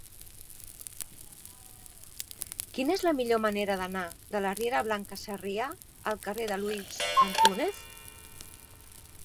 Quina és la millor manera d'anar de la riera Blanca Sarrià al carrer de Luis Antúnez?